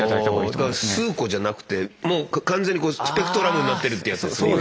だから数個じゃなくてもう完全にこうスペクトラムになってるってやつですね。